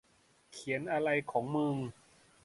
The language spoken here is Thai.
เขียนอะไรของเมิง